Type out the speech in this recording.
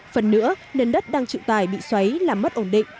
phần nữa nền đất đang chịu tài bị xoáy làm mất ổn định